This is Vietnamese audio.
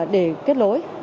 để kết nối